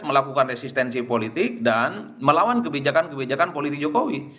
melakukan resistensi politik dan melawan kebijakan kebijakan politik jokowi